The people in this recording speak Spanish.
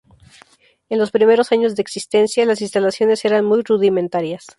En los primeros años de existencia, las instalaciones eran muy rudimentarias.